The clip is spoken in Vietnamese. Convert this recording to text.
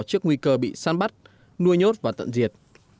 trước nguy cơ bị săn bắt nuôi nhốt và tận diệt